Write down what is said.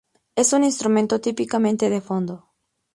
Es un instrumento típicamente de fondo.